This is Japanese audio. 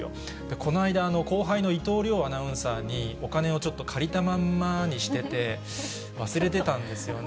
この間、後輩の伊藤遼アナウンサーに、お金をちょっと借りたまんまにしてて、忘れてたんですよね。